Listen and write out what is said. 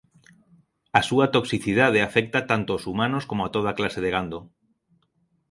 A súa toxicidade afecta tanto ós humanos como a toda clase de gando.